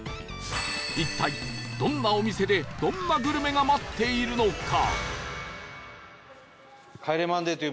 一体どんなお店でどんなグルメが待っているのか？